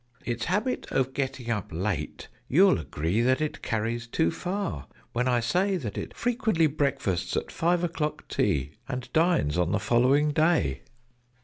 "Its habit of getting up late you'll agree That it carries too far, when I say That it frequently breakfasts at five o'clock tea, And dines on the following day.